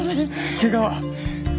ケガは？